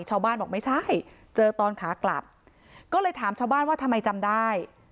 ชาวบ้านบอกไม่ใช่เจอตอนขากลับก็เลยถามชาวบ้านว่าทำไมจำได้